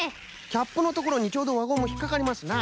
キャップのところにちょうどわゴムひっかかりますな。